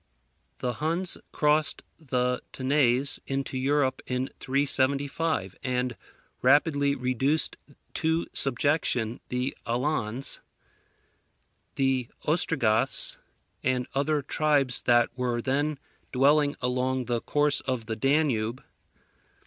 The Huns crossed the Tanais into Europe in 375, and rapidly reduced to subjection the Alans, the Ostrogoths, and other tribes that were then dwelling along the course of the Danube.